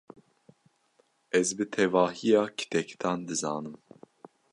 Ez bi tevahiya kitekitan dizanim.